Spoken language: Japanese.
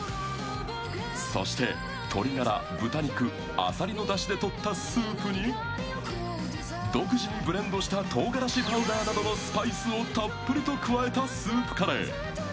そして、鶏ガラ、豚肉、あさりのだしで取ったスープに独自にブレンドしたとうがらしパウダーなどのスパイスをたっぷりと加えたスープカレー。